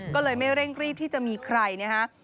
ก็เลยไม่เร่งรีบที่จะมีใครนะฮะ